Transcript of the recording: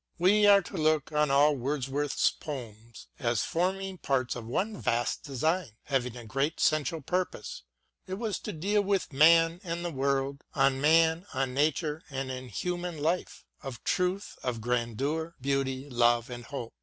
We are to look on all Wordsworth's poems as forming parts of one vast design, having a great central purpose — ^it was to deal with man and the world, on man, on Nature and in human life — of truth, of grandeur, beauty, love and hope.